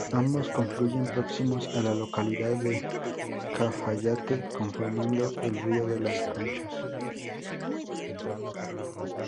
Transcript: Ambos confluyen próximos a la localidad de Cafayate formando el río de las Conchas.